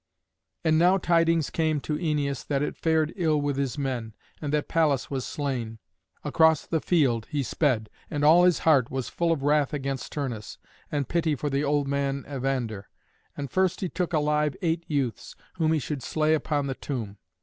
And now tidings came to Æneas that it fared ill with his men, and that Pallas was slain. Across the field he sped, and all his heart was full of wrath against Turnus and pity for the old man Evander; and first he took alive eight youths, whom he should slay upon the tomb.